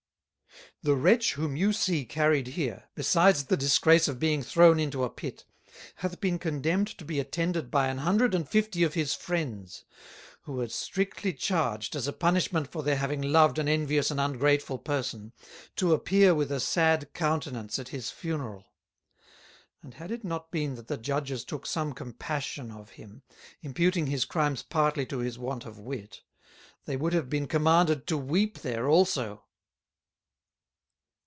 The Wretch whom you see carried here, besides the disgrace of being thrown into a Pit, hath been Condemned to be attended by an Hundred and Fifty of his Friends; who are strictly charged, as a Punishment for their having loved an envious and ungrateful Person, to appear with a sad Countenance at his Funeral; and had it not been that the Judges took some compassion of him, imputing his Crimes partly to his want of Wit, they would have been commanded to Weep there also.